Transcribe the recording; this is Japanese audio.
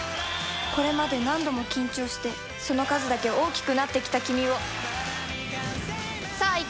これまで何度も緊張してその数だけ大きくなってきたキミをさぁいけ！